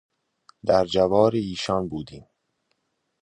در جوار ایشان بودیم